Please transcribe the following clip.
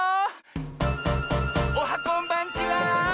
おはこんばんちは！